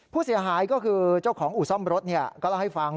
ผู้เสียหายก็คือเจ้าของอู่ซ่อมรถก็เล่าให้ฟัง